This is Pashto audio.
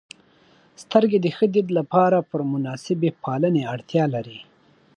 • سترګې د ښه دید لپاره پر مناسبې پالنې اړتیا لري.